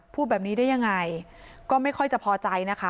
พูดแบบนี้ได้ยังไงก็ไม่ค่อยจะพอใจนะคะ